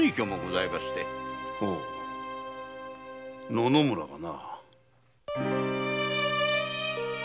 野々村がな。